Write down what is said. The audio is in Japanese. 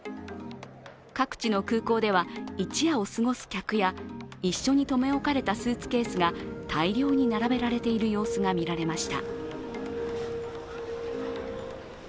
各地の空港では一夜を過ごす客や一緒に留め置かれたスーツケースが大量に並べられている様子が見られました。